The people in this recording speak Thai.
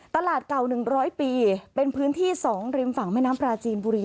ตลาดเก่า๑๐๐ปีเป็นพื้นที่๒ริมฝั่งแม่น้ำปลาจีนบุรี